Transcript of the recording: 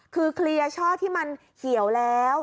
คือเคลียร์ช่อที่มันเหี่ยวแล้ว